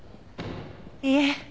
いえ。